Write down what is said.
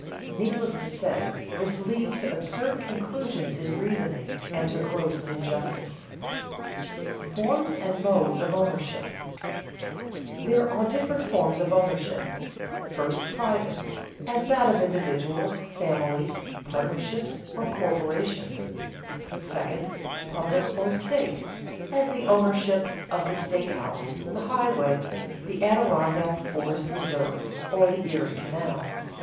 Needless to say, this leads to absurd conclusions in reasoning, and to gross injustice. [Sidenote: Forms and modes of ownership] There are different forms of ownership: first, private, as that of individuals, families, partnerships, or corporations; second, public or state, as the ownership of the state house, the highway, the Adirondack forest reserve or the Erie Canal.